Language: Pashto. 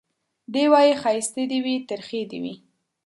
دی وايي ښايستې دي وي ترخې دي وي